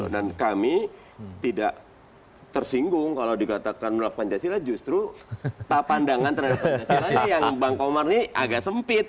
dan kami tidak tersinggung kalau dikatakan nolak pancasila justru tak pandangan terhadap pancasila yang bang komar ini agak sempit